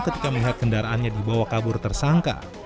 ketika melihat kendaraannya dibawa kabur tersangka